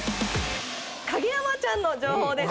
影山ちゃんの情報です。